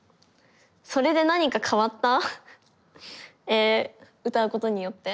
「それで何か変わった？」。え歌うことによって？